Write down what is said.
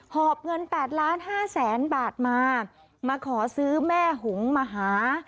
อบเงิน๘ล้านห้าแสนบาทมามาขอซื้อแม่หงมาหา